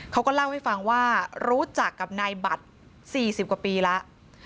เขาก็เล่าให้ฟังว่ารู้จักกับนายบัตร๔๐กว่าปีแล้ว